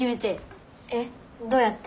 えっどうやって？